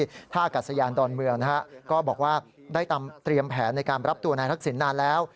ภาพภารกัดทรียางดอนเมืองก็ได้ตำเตรียมแผนในรับตัวนายทักษิณภ์นานแล้ว